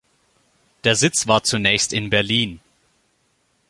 Der Sitz war zunächst in Berlin.